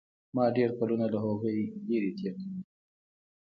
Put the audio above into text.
ما ډېر کلونه له هغوى لرې تېر کړي وو.